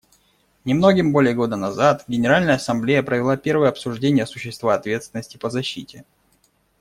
Немногим более года назад Генеральная Ассамблея провела первое обсуждение существа «ответственности по защите».